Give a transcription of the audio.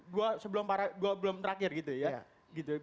gue sebelum para gue belum terakhir gitu ya